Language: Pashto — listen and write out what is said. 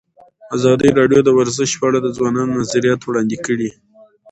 ازادي راډیو د ورزش په اړه د ځوانانو نظریات وړاندې کړي.